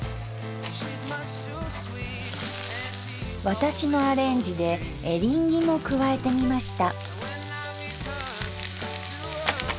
私のアレンジでエリンギも加えてみました。